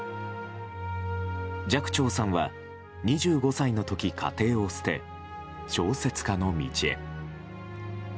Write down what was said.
寂聴さんは２５歳の時家庭を捨て、小説家の道へ。